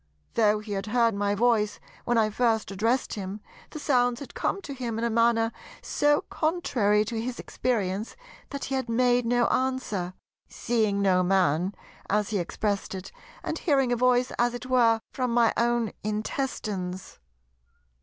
Though he had heard my voice when I first addressed him, the sounds had come to him in a manner so contrary to his experience that he had made no answer, "seeing no man," as he expressed it, "and hearing a voice as it were from my own intestines."